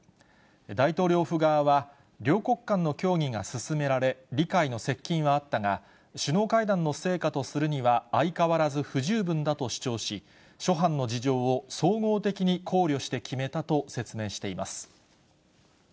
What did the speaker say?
大統領府側は、両国間の協議が進められ、理解の接近はあったが、首脳会談の成果とするには相変わらず不十分だと主張し、諸般の事情を総合的に考慮して決めたと説明しています。